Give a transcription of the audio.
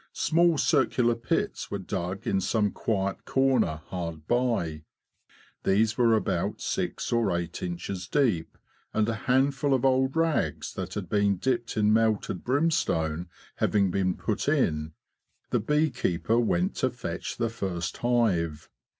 Small circular pits were dug in some quiet corner hard by. These were about six or eight inches deep, and a handful of old rags that had been dipped in melted brimstone having been put in, the bee keeper went to fetch the first hive.